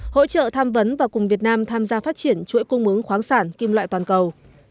hỗ trợ tham vấn và cùng việt nam tham gia phát triển chuỗi cung ứng khoáng sản kim loại toàn cầu